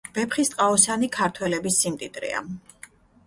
ვეფხისტყაოსანი ქართველების სიმდიდრეა